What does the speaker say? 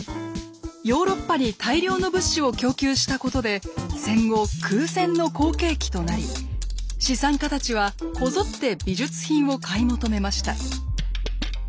ヨーロッパに大量の物資を供給したことで戦後空前の好景気となり資産家たちはこぞって美術品を買い求めました。